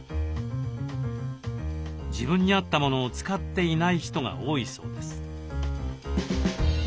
自分に合ったものを使っていない人が多いそうです。